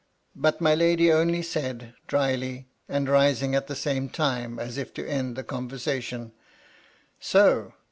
But my lady only said, drily, and rising at the same time, as if to end the conversation :" So